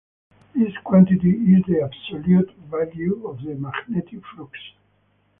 This quantity is the absolute value of the magnetic flux.